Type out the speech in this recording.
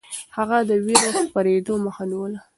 هغه د وېرو خپرېدو مخه نيوله.